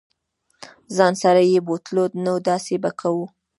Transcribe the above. ځان سره یې بوتلو نو داسې به کوو.